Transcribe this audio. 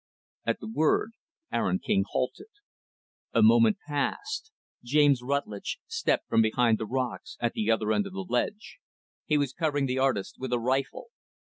At the word, Aaron King halted. A moment passed. James Rutlidge stepped from behind the rocks at the other end of the ledge. He was covering the artist with a rifle.